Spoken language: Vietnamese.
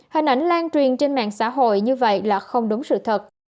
hình ảnh lan truyền trên mạng xã hội như vậy là không đúng sự thật